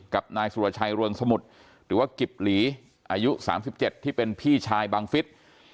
กับนายสุรชัยเรืองสมุทรหรือว่ากิบหลีอายุ๓๗ที่เป็นพี่ชายบังฟิศ